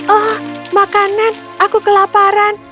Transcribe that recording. oh makanan aku kelaparan